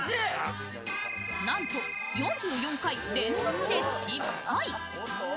なんと４４回連続で失敗。